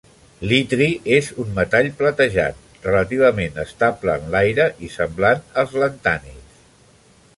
L'Itri és un metall platejat, relativament estable en l'aire i semblant als lantànids.